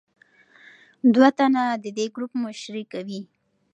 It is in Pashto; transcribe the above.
دوه تنه د دې ګروپ مشري کوي.